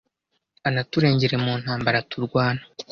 anaturengere mu ntambara turwana